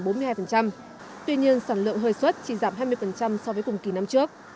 tuy nhiên sản lượng hơi xuất chỉ giảm hai mươi so với cùng kỳ năm trước